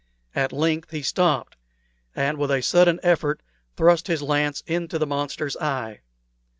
At length he stopped, and with a sudden effort thrust his lance into the monster's eye.